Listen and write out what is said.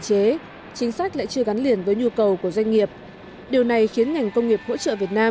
chế chính sách lại chưa gắn liền với nhu cầu của doanh nghiệp điều này khiến ngành công nghiệp hỗ trợ việt nam